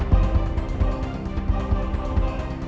dan klik semua foto